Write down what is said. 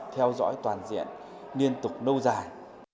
theo dõi toàn diện liên tục lâu dài